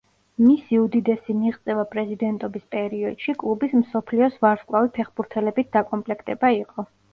მისი უდიდესი მიღწევა პრეზიდენტობის პერიოდში კლუბის მსოფლიოს ვარსკვლავი ფეხბურთელებით დაკომპლექტება იყო.